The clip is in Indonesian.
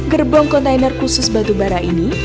gerbong kontainer khusus batu bara ini